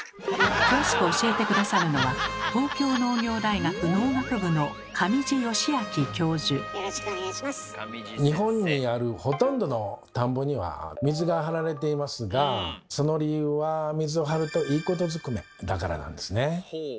詳しく教えて下さるのは日本にあるほとんどの田んぼには水が張られていますがその理由は水を張るといいことずくめだからなんですね。